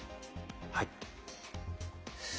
はい。